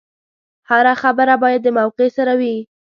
هره خبره باید د موقع سره وي.